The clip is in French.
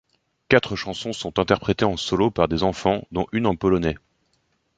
Quatre chansons sont interprétées en solo par des enfants, dont une en polonais.